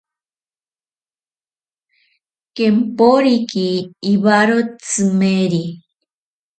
Kemporiki iwaro tsimeri.